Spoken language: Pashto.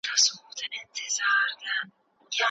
چو بنګري ز رفقیان پاک بین مجلس